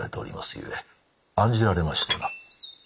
ゆえ案じられましてな。